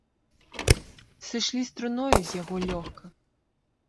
Сышлі з труною з яго лёгка.